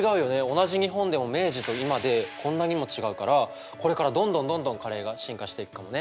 同じ日本でも明治と今でこんなにも違うからこれからどんどんどんどんカレーが進化していくかもね。